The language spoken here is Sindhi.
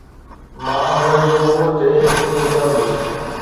مان هن جي منهن تي ائين چوندس